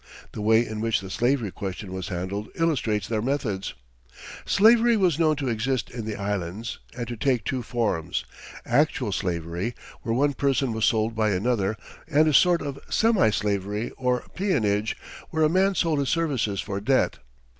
The way in which the slavery question was handled illustrates their methods. Slavery was known to exist in the Islands, and to take two forms, actual slavery, where one person was sold by another, and a sort of semi slavery, or peonage, where a man sold his services for debt.